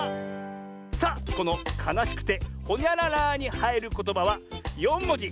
さあこのかなしくて「ほにゃらら」にはいることばは４もじ。